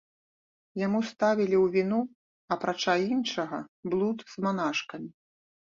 Яму ставілі ў віну апрача іншага блуд з манашкамі.